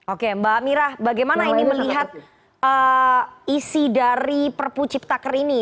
oke mbak mira bagaimana ini melihat isi dari perpu ciptaker ini